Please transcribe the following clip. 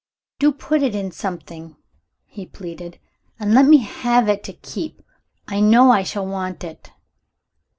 "Do put it in something," he pleaded, "and let me have it to keep: I know I shall want it."